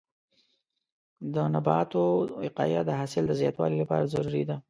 د نباتو وقایه د حاصل د زیاتوالي لپاره ضروري ده.